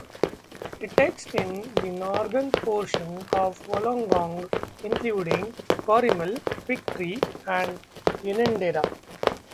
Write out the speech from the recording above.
It takes in the northern portion of Wollongong, including Corrimal, Figtree and Unanderra.